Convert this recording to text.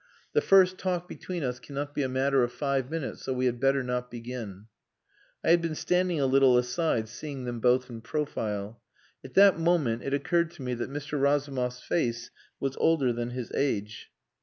The first talk between us cannot be a matter of five minutes, so we had better not begin...." I had been standing a little aside, seeing them both in profile. At that moment it occurred to me that Mr. Razumov's face was older than his age.